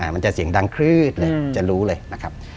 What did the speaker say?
มันจะเสียงดังคลืดเลยจะรู้เลยนะครับ